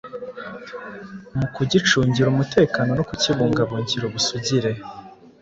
mu kugicungira umutekano no kukibungabungira ubusugire,